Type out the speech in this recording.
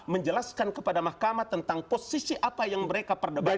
menjelaskan kepada mahkamah tentang posisi apa yang mereka perdebatkan